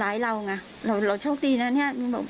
บ้านส่องในเวลาและส่องของบ้านเจ้าคล้ายหน่อย